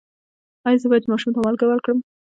ایا زه باید ماشوم ته مالګه ورکړم؟